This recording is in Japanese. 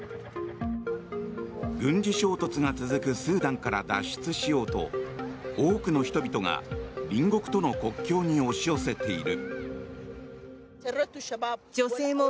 軍事衝突が続くスーダンから脱出しようと多くの人々が隣国との国境に押し寄せている。